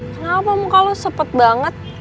kenapa muka lu sepet banget